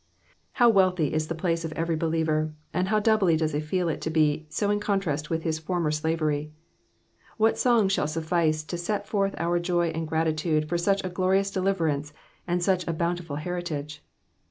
*' How wealthy is the place of every believer, and how doubly does he feel it to be 80 in contrast with his former slavery : what songs shall suffice to set forth our joy and gratitude for such a glorious deliverance and such a bountiful heritage.